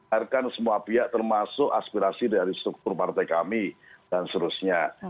biarkan semua pihak termasuk aspirasi dari struktur partai kami dan seterusnya